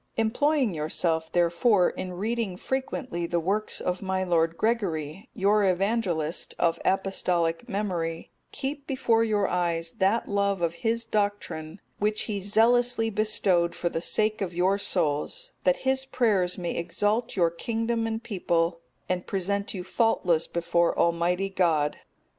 Employing yourself, therefore, in reading frequently the works of my lord Gregory, your Evangelist, of apostolic memory, keep before your eyes that love of his doctrine, which he zealously bestowed for the sake of your souls; that his prayers may exalt your kingdom and people, and present you faultless before Almighty God.